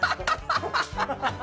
ハハハハハ！